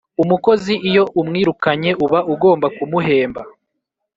Umukozi iyo umwirukanye uba ugomba kumuhemba